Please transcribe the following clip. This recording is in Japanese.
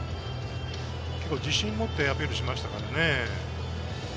自信を持ってアピールしましたからね。